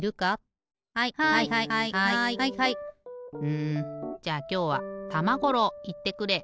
うんじゃあきょうは玉五郎いってくれ！